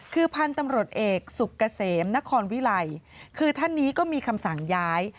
คือพันธุ์ตำรวจเอกสุกเกษมนครวิไลคือท่านนี้ก็มีคำสั่งย้าย